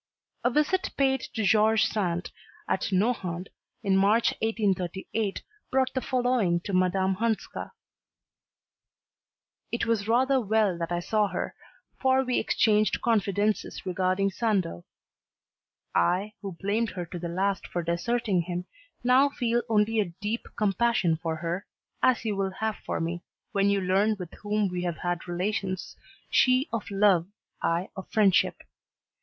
A visit paid to George Sand at Nohant, in March 1838, brought the following to Madame Hanska: It was rather well that I saw her, for we exchanged confidences regarding Sandeau. I, who blamed her to the last for deserting him, now feel only a deep compassion for her, as you will have for me, when you learn with whom we have had relations, she of love, I of friendship.